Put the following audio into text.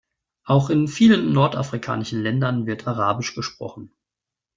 Auch in vielen nordafrikanischen Ländern wird arabisch gesprochen.